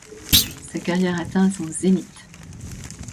Sa carrière atteint son zénith.